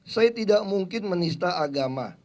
saya tidak mungkin menista agama